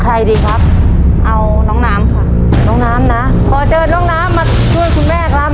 ดีครับเอาน้องน้ำค่ะน้องน้ำนะขอเชิญน้องน้ำมาช่วยคุณแม่ครับ